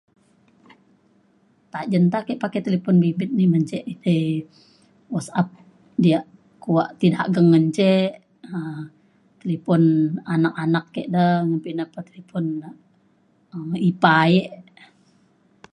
tajen ta ake pakai talifon bimbit ni ban ce tei WhatsApp diak kua ti dageng ngan ce um talipon anak anak ke da pa ina pa talipon na um ma ipar ayek